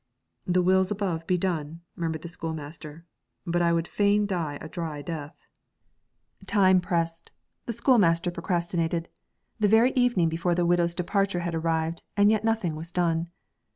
'The wills above be done,' murmured the schoolmaster, 'but I would fain die a dry death.' Time pressed; the schoolmaster procrastinated; the very evening before the widow's departure had arrived, and yet nothing was done.